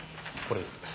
これです。